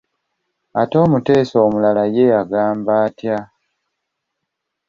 Ate omuteesa omulala ye yagamba atya?